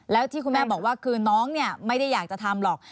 แล้วที่คุณแม่บอกว่าคือน้องเนี่ยไม่ได้อยากจะทำหรอก